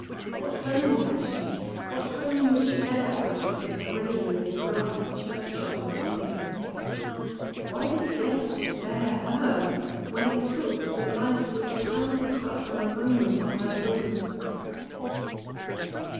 what home had she? What home would she ever have but a grave in the grassy churchyard of Wanley? Why did death spare her when it took the life which panted but for a moment on her bosom?